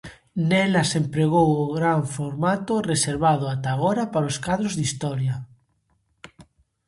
Nelas empregou o gran formato, reservado ata agora para os cadros de historia.